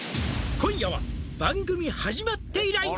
「今夜は番組始まって以来の」